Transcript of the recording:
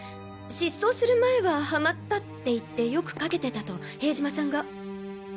失踪する前はハマったって言ってよくかけてたと塀島さんが。